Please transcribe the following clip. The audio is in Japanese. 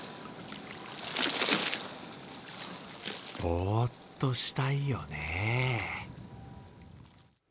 ぼーっとしたいよね。